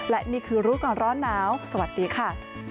และนี่คือรู้ก่อนร้อนหนาวสวัสดีค่ะ